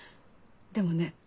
でもね